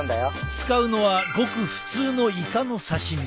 使うのはごく普通のイカの刺身。